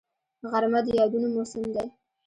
غرمه د یادونو موسم دی